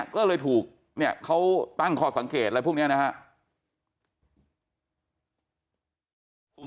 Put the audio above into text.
ก็เลยถูกเนี่ยเขาตั้งข้อสังเกตอะไรพวกนี้นะครับ